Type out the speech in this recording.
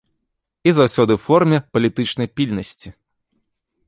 І заўсёды ў форме палітычнай пільнасці.